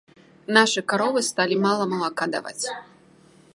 Нашы каровы сталі мала малака даваць.